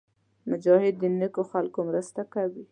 مجاهد د نېکو خلکو مرسته کوي.